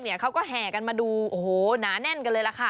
พวกเขาก็แห่กันมาดูหนานแน่นกันเลยล่ะค่ะ